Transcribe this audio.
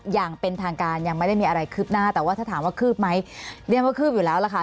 อย่างเป็นทางการยังไม่ได้มีอะไรคืบหน้าแต่ว่าถ้าถามว่าคืบไหมเรียกว่าคืบอยู่แล้วล่ะค่ะ